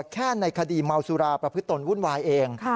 แค่ในคดีเมาสุราประพฤตนวุ่นวายเอง